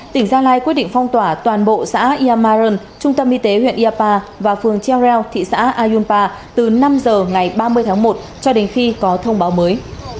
tỉnh gia lai quyết định phong tỏa toàn bộ xã yamaran trung tâm y tế huyện iapa và phường cheo reo thị xã ayunpa từ năm h ngày ba mươi tháng một cho đến khi có thông báo mới